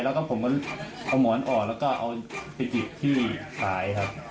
แล้วก็ผมก็เอาหมอนออกแล้วก็เอาไปติดที่สายครับ